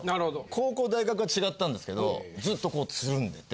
高校大学は違ったんですけどずっとこうつるんでて。